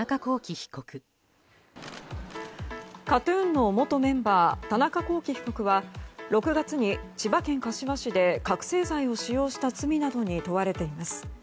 ＫＡＴ‐ＴＵＮの元メンバー、田中聖被告は６月に千葉県柏市で覚醒剤を使用した罪などに問われています。